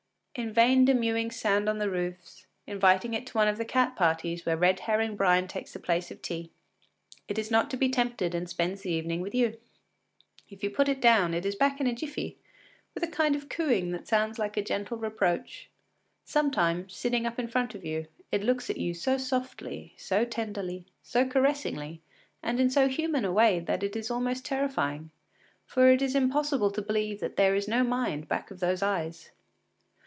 In vain do mewings sound on the roofs, inviting it to one of the cat parties where red herring brine takes the place of tea; it is not to be tempted and spends the evening with you. If you put it down, it is back in a jiffy with a kind of cooing that sounds like a gentle reproach. Sometimes, sitting up in front of you, it looks at you so softly, so tenderly, so caressingly, and in so human a way that it is almost terrifying, for it is impossible to believe that there is no mind back of those eyes.